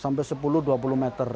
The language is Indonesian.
sampai sepuluh dua puluh meter